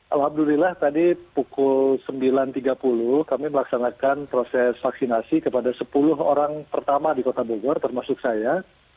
alhamdulillah tadi pukul sembilan tiga puluh kami melaksanakan proses vaksinasi kepada sepuluh orang pertama di kota bogor termasuk saya